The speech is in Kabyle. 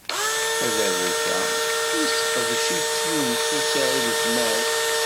Tadabut-a yesseqdec-itt Yunes u Saɛid u Smaɛil.